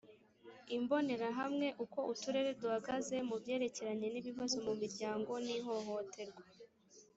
imbonerahamwe uko uturere duhagaze mu byerekeranye n ibibzo mu miryango n ihohoterwa